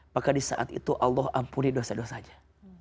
maka di saat itu allah ampuni dosa dosanya